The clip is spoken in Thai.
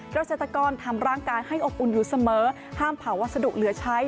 เกษตรกรทำร่างกายให้อบอุ่นอยู่เสมอห้ามเผาวัสดุเหลือใช้